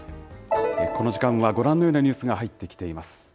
この時間はご覧のようなニュースが入ってきています。